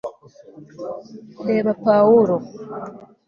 reba pawulo